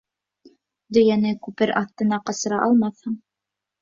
Дөйәне күпер аҫтына ҡасыра алмаҫһың.